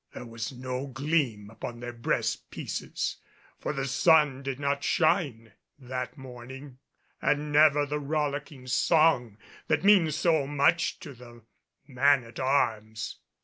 There was no gleam upon their breastpieces, for the sun did not shine that morning, and never the rollicking song that means so much to the man at arms.